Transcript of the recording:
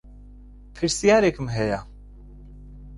پرسیارێکم هەیە